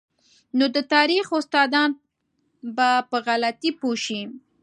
نو د تاریخ استادان به په غلطۍ پوه شي.